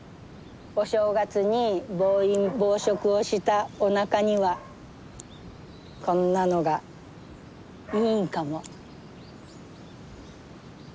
お正月に暴飲暴食をしたおなかにはこんなのがいいんかも。